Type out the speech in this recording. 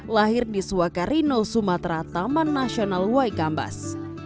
lahir di suakarino sumatera taman nasional waikambas